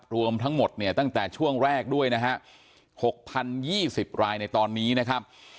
รวมทั้งหมดเนี่ยตั้งแต่ช่วงแรกด้วยนะฮะ๖๐๒๐รายในตอนนี้นะครับ